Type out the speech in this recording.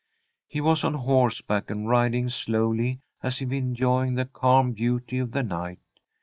He was on horseback, and riding slowly, as if enjoying the calm beauty of the night.